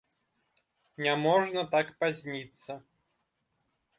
Няможна так пазніцца.